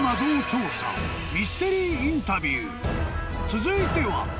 ［続いては］